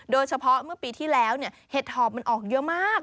โดยเฉพาะปีที่แล้วเหตุทอพมันออกเยอะมาก